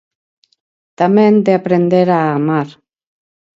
Tamén de aprender "a amar".